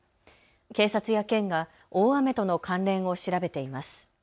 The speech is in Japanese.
警察や県が大雨との関連を調べています。